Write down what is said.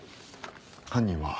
犯人は？